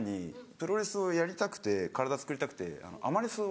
プロレスをやりたくて体つくりたくてアマレスを。